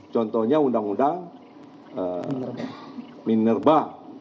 contohnya undang undang minerba